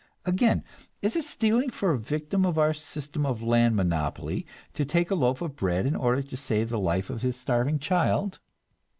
Again, is it stealing for a victim of our system of land monopoly to take a loaf of bread in order to save the life of his starving child?